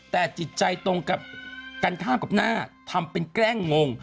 แต่จิตใจตรงกับกันข้ามกับหน้าทำเป็นแกล้งงง